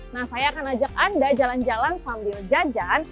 nah saya akan ajak anda jalan jalan sambil jajan